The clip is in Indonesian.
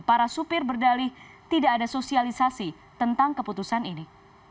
para supir berdalih tidak ada sosialisasi tentang keputusan ini